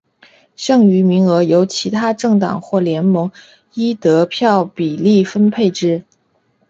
剩余名额由其他政党或联盟依得票比率分配之。